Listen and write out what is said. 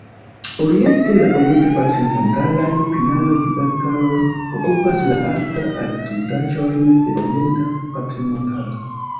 Oriente, la orient-patrinmontaraj pinaroj-kverkaroj okupas la alta-altitudaĵojn de Orienta Patrinmontaro.